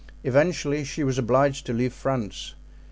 Eventually she was obliged to leave France.